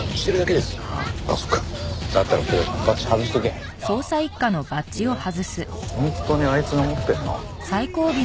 で本当にあいつが持ってんの？